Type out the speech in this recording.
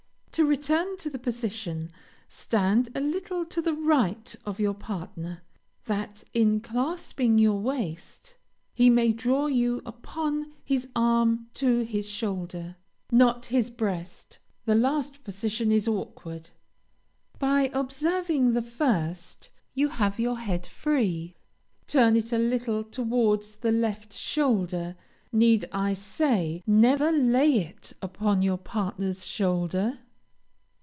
To return to the position. Stand a little to the right of your partner, that, in clasping your waist, he may draw you upon his arm to his shoulder, not his breast; the last position is awkward. By observing the first, you have your head free; turn it a little towards the left shoulder; need I say, never lay it upon your partner's shoulder?